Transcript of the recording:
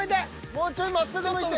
もうちょいまっすぐ向いて。